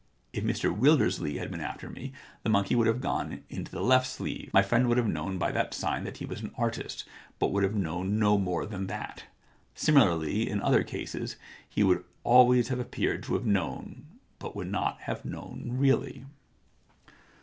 If Mr Wildersley had been after me, the monkey would have gone into the left sleeve ; my friend would have known by that sign that he was an artist, but would have known no more than that. Similarly, in other cases, he would always have appeared to have known, but would not have known really.'